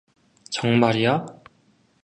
정말이야?